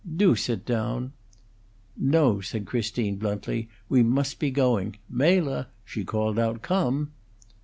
Do sit down " "No," said Christine, bluntly; "we must be going. Mela!" she called out, "come!"